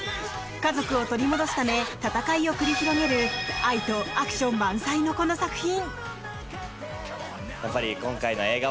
家族を取り戻すため戦いを繰り広げる愛とアクション満載のこの作品。